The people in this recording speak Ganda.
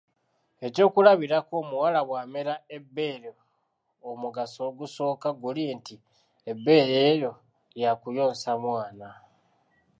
Ekyokulabirako omuwala bw'amera ebbeere omugaso ogusooka, guli nti, ebbeere eryo lya kuyonsa mwana